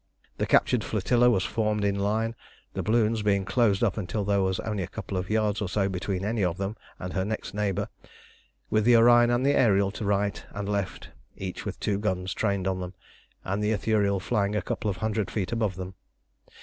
The captured flotilla was formed in line, the balloons being closed up until there was only a couple of yards or so between any of them and her next neighbour, with the Orion and the Ariel to right and left, each with two guns trained on them, and the Ithuriel flying a couple of hundred feet above them.